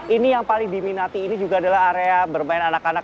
ini yang paling diminati ini juga adalah area bermain anak anak